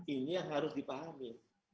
ini yang harus dipahami